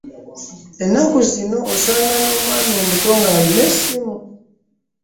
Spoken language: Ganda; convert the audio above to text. Ennaku zino osanga n'omwana omuto ng'alina essimu.